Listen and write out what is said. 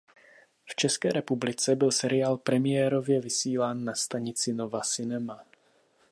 V České republice byl seriál premiérově vysílán na stanici Nova Cinema.